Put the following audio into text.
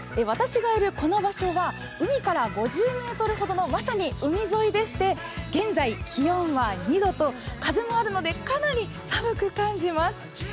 私がいるこの場所は海から５０ｍほどのまさに海沿いでして、現在気温は２度と風もあるのでかなり寒く感じます。